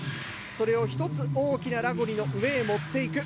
それを１つ大きなラゴリの上へ持っていく。